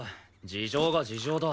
事情が事情だ。